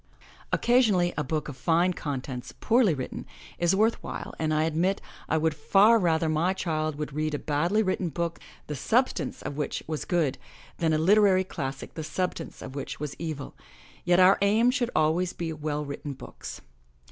Occasionally, a book of fine contents, poorly written, is worth while, and I admit I would far rather my child would read a badly written book the substance of which was good, than a literary class ic the substance of which was evil, yet our aim should always be well written books.